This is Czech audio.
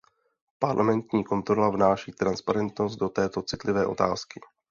Parlamentní kontrola vnáší transparentnost do této citlivé otázky.